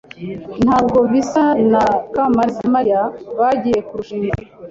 Ntabwo bisa na Kamaliza na Mariya bagiye kurushinga.